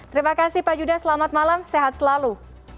terima kasih pak judah selamat malam sehat selalu